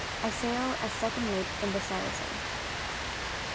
I SAIL AS SECOND MATE IN THE SARACEN.